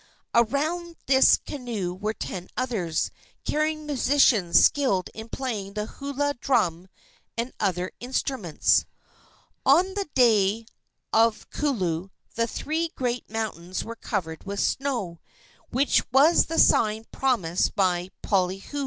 Around this canoe were ten others, carrying musicians skilled in playing the hula drum and other instruments. On the day of kulu the three great mountains were covered with snow, which was the sign promised by Poliahu.